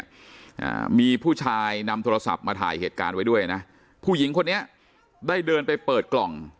อ่ามีผู้ชายนำโทรศัพท์มาถ่ายเหตุการณ์ไว้ด้วยนะผู้หญิงคนนี้ได้เดินไปเปิดกล่อง